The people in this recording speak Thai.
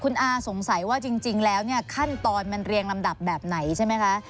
คุณอาสงสัยว่าจริงแล้วเนี่ยขั้นตอนมันเรียงลำดับแบบไหนใช่ไหมคะ